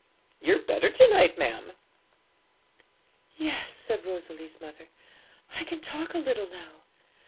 You're better to night, ma'am.' 'Yes,' said Rosalie's mother; 'I can talk a little now.